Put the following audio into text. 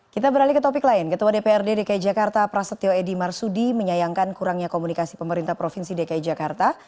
kita beralih ke topik lain ketua dprd dki jakarta prasetyo edy marsudi menyayangkan kurangnya komunikasi pemerintah provinsi dki jakarta